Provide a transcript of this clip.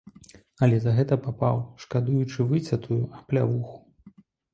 Але за гэта папаў, шкадуючы выцятую, аплявуху.